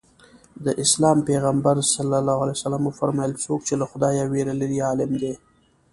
د اسلام پیغمبر ص وفرمایل څوک چې له خدایه وېره لري عالم دی.